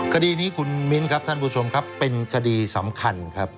คดีนี้คุณมิ้นครับท่านผู้ชมครับเป็นคดีสำคัญครับ